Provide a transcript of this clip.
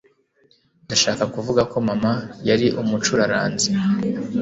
Ndashaka kuvuga ko mama yari Umucuraranzi